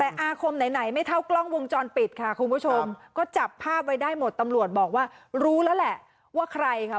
แต่อาคมไหนไหนไม่เท่ากล้องวงจรปิดค่ะคุณผู้ชมก็จับภาพไว้ได้หมดตำรวจบอกว่ารู้แล้วแหละว่าใครค่ะ